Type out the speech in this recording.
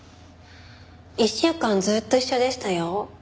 １週間ずっと一緒でしたよ。